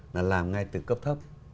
là làm ngay từ cấp thấp